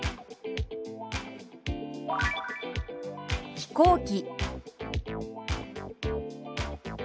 「飛行機」。